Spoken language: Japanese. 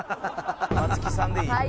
松木さんでいい。